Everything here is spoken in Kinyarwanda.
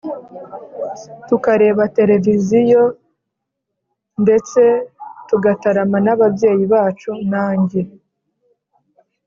tukareba tereviziyo ndetse tugataramana n’ababyeyi bacu, nange